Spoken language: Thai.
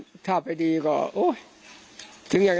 มีเรื่องอะไรมาคุยกันรับได้ทุกอย่าง